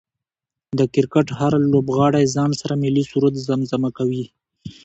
د کرکټ هر لوبغاړی ځان سره ملي سرود زمزمه کوي